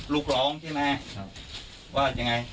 แล้วไงต่อ